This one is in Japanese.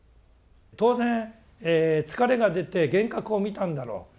当然疲れが出て幻覚を見たんだろう